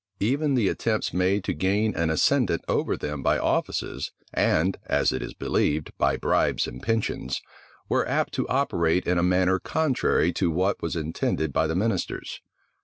Even the attempts made to gain an ascendant over them by offices, and, as it is believed, by bribes and pensions, were apt to operate in a manner contrary to what was intended by the ministers.